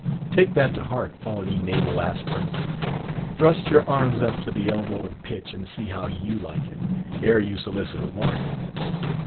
Take that to heart, all ye naval aspirants. Thrust your arms up to the elbow in pitch and see how you like it, ere you solicit a warrant.